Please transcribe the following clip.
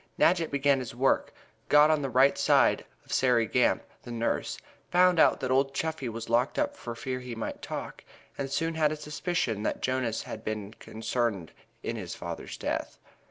Nadgett began his work, got on the right side of Sairey Gamp, the nurse, found out that old Chuffey was locked up for fear he might talk, and soon had a suspicion that Jonas had been concerned in his father's death.